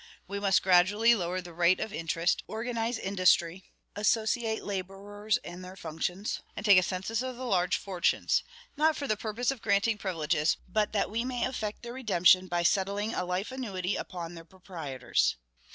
We must gradually lower the rate of interest, organize industry, associate laborers and their functions, and take a census of the large fortunes, not for the purpose of granting privileges, but that we may effect their redemption by settling a life annuity upon their proprietors.